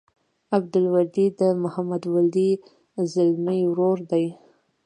عبدالولي د محمد ولي ځلمي ورور دی.